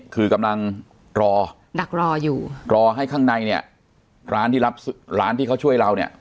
คือกำลังรอดักรออยู่รอให้ข้างในเนี่ยร้านที่รับร้านที่เขาช่วยเราเนี่ย